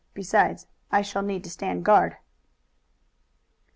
"Besides, I shall need to stand guard."